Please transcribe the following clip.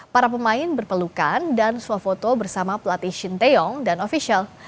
para pemain berpelukan dan swafoto bersama pelatih shin taeyong dan ofisial